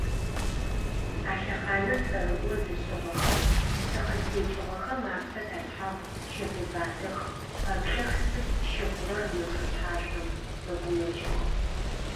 А лъэхъаныр цӏэрыӏо зышӏыгъэхэ тыкъызтекӏыгъэхэм апсэ ташъхьагъ щэбыбатэх, къэплъэх сыд щыхъурэр мы чӏышъхьашъом, мэгумэкӏых.